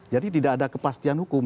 jadi tidak ada kepastian hukum